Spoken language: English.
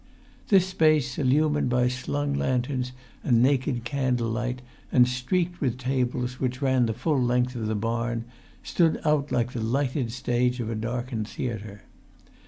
This space, illumined by slung lanterns and naked candle light, and streaked with tables, which ran the full length of the barn, stood out like the lighted stage of a darkened theatre.